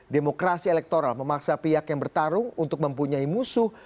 demokrasi elektoral memaksa pihak yang bertarung untuk mempunyai musuh